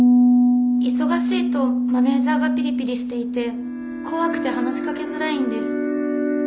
忙しいとマネージャーがピリピリしていて怖くて話しかけづらいんです。